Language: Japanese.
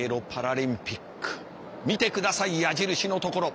見て下さい矢印のところ。